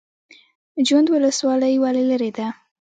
جوند ولسوالۍ ولې لیرې ده؟